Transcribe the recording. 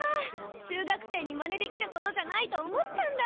中学生にまねできることじゃないと思ったんだ。